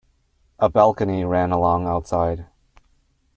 A balcony ran along outside.